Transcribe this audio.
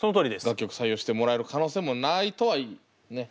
楽曲採用してもらえる可能性もないとはね。